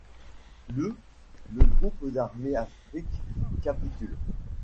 Le le groupe d'armées Afrique capitule.